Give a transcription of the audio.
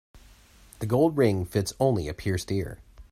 The gold ring fits only a pierced ear.